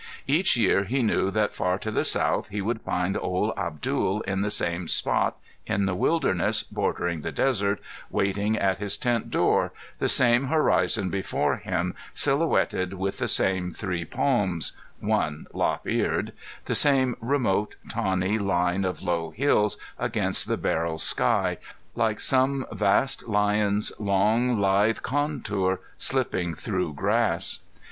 Each year he knew that far to the South he would find old Abdul in the same spot in the wilderness bordering the desert, waiting at his tent door, the same horizon before him silhouetted with the same three palms (one lop eared), the same remote, tawny line of low hills against the beryl sky, like some vast lion's long, lithe contour slipping through grass.